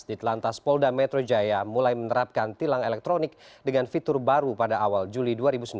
di telantas polda metro jaya mulai menerapkan tilang elektronik dengan fitur baru pada awal juli dua ribu sembilan belas